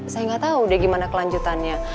saya gak tau deh gimana kelanjutannya